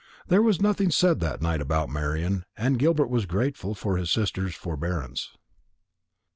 There was nothing said that night about Marian, and Gilbert was grateful for his sister's forbearance.